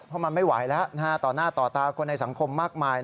เพราะมันไม่ไหวแล้วต่อหน้าต่อตาคนในสังคมมากมาย